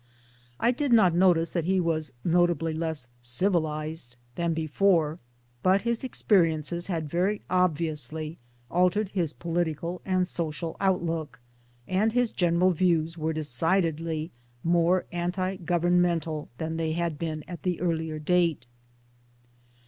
I did not notice that he was notably less ' civilized ' than before, but his experiences had very obviously altered his political and social outlook, and his general views were decidedly more anti governmental than they had been at the earlier date.